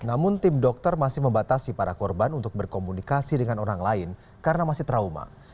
namun tim dokter masih membatasi para korban untuk berkomunikasi dengan orang lain karena masih trauma